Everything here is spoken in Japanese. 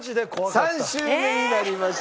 ３周目になりました。